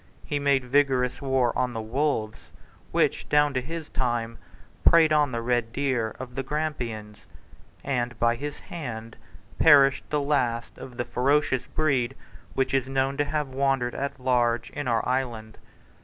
He made vigorous war on the wolves which, down to his time, preyed on the red deer of the Grampians; and by his hand perished the last of the ferocious breed which is known to have wandered at large in our island.